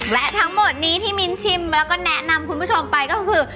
และทั้งหมดนี้ที่มิ้นชิมแล้วก็แนะนำคุณผู้ชมไปก็คือ